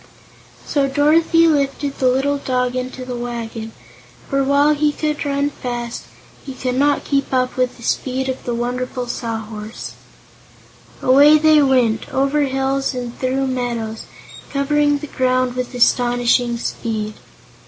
So Dorothy lifted the little dog into the wagon, for, while he could run fast, he could not keep up with the speed of the wonderful Sawhorse. Away they went, over hills and through meadows, covering the ground with astonishing speed.